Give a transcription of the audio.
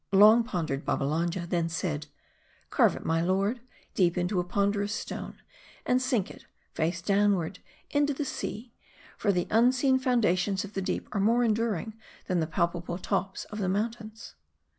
Long pondered Babbalanja; then said, "Carve it, my lord, deep into a ponderous stone, and sink it, face downward, into the sea ; for the unseen foundations of the deep are more enduring than the palpable tops of the mountains."